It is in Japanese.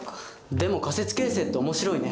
でも仮説形成って面白いね。